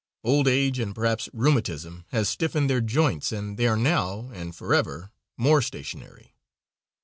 Old age, and perhaps rheumatism, has stiffened their joints and they are now and forever more stationary.